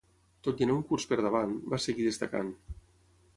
Tot i anar un curs per davant, va seguir destacant.